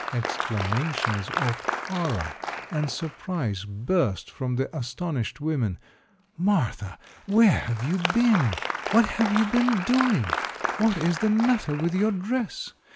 Exclamations of horror and surprise burst from the astonished women. "Martha, where have you been? What have you been doing? What is the matter with your dress?